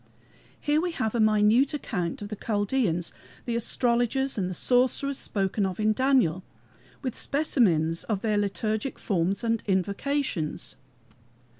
Here we have a minute account, of the Chaldeans the astrologers and the sorcerers spoken of in Daniel with specimens of their liturgic forms and invocations.